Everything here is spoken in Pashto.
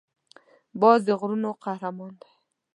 باز د غرونو قهرمان دی